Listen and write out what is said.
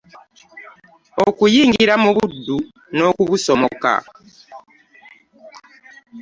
Okuyingira mu buddu n'okubusomoka .